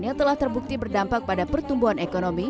yang telah terbukti berdampak pada pertumbuhan ekonomi